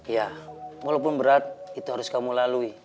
ya walaupun berat itu harus kamu lalui